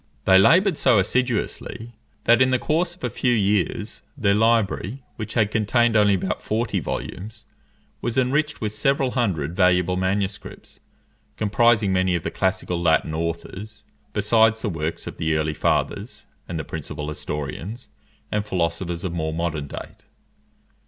They laboured so assiduously, that, in the course of a few years, their library, which had contained only about forty volumes, was enriched with several hundred valuable manuscripts, comprising many of the classical Latin authors, besides the works of the early fathers, and the principal historians, and philosophers of more modern date.